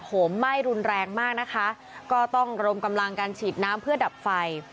โหมไหม้รุนแรงมากนะคะก็ต้องรวมกำลังการฉีดน้ำเพื่อดับไฟ